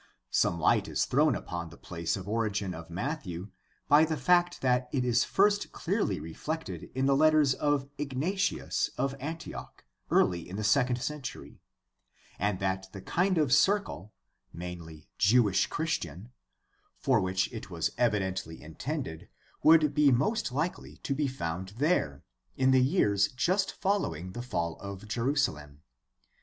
Some light is thrown upon the place of origin of Matthew by the fact that it is first clearly reflected in the letters of Ignatius of Antioch, early in the second century, and that the kind of circle, mainly 194 GUIDE TO STUDY OF CHRISTIAN RELIGION Jewish Christian, for which it was evidently intended would be most likely to be found there, in the years just following the fall of Jerusalem.